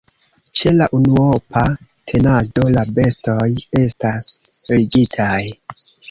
Ĉe la unuopa tenado la bestoj estas ligitaj.